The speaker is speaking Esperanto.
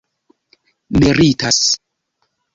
meritas